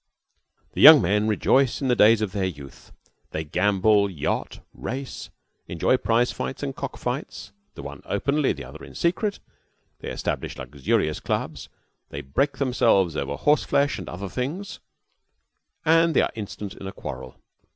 The young men rejoice in the days of their youth. They gamble, yacht, race, enjoy prize fights and cock fights, the one openly, the other in secret; they establish luxurious clubs; they break themselves over horse flesh and other things, and they are instant in a quarrel.